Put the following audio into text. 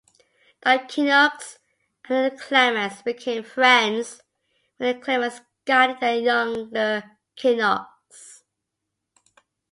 The Kinnocks and the Clements became friends, with the Clements guiding the younger Kinnocks.